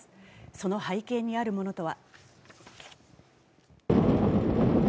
その背景にあるものとは？